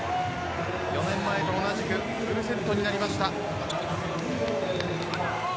４年前と同じくフルセットになりました。